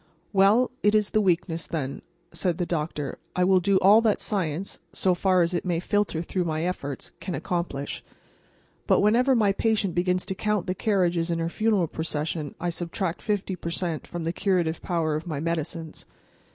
"Well, it is the weakness, then," said the doctor. "I will do all that science, so far as it may filter through my efforts, can accomplish. But whenever my patient begins to count the carriages in her funeral procession I subtract 50 per cent. from the curative power of medicines.